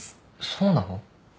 そうなの。